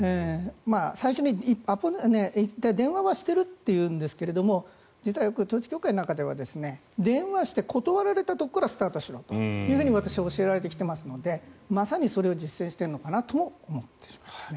最初に電話はしているっていうんですが実はよく、統一教会の中では電話して断られたところからスタートしろと私は教えられてきていますのでまさにそれを実践したのかなと思っています。